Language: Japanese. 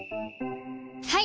はい！